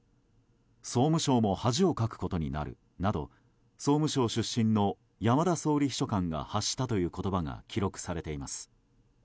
総務省も恥をかくことになるなど総務省出身の山田総理秘書官が発したという言葉が記録されています。